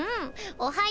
おはよ！